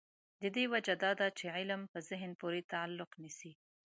د دې وجه دا ده چې علم په ذهن پورې تعلق نیسي.